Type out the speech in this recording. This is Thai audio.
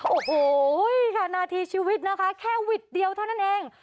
โอ้โหค่ะนาทีชีวิตนะคะแค่วิทย์เดียวเท่านั้นเอง